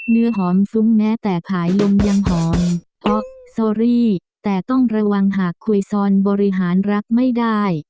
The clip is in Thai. เนื้อหอมฟุ้งแม้แต่ผายลมยังหอมอ๊อกซอรี่แต่ต้องระวังหากคุยซอนบริหารรักไม่ได้